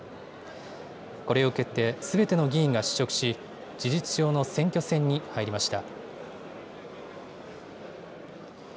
これを受けて、すべての議員が失職し、事実上の選挙戦に入りました。